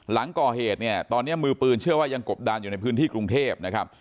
หลังก่อเหตุเนี่ยตอนนี้มือปืนเชื่อว่ายังกบดานอยู่ในพื้นที่กรุงเทพนะครับ